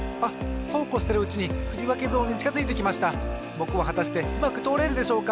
ぼくははたしてうまくとおれるでしょうか。